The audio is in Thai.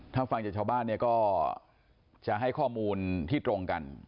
ถ้าฟังจากชาวบ้านเนี่ยก็จะให้ข้อมูลที่ตรงกัน